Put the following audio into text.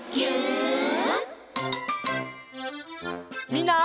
みんな。